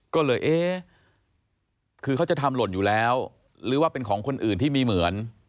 ก็เลยเอ๊ะคือเขาจะทำหล่นอยู่แล้วหรือว่าเป็นของคนอื่นที่มีเหมือน